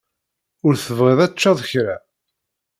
Ur tebɣiḍ ad tecceḍ kra?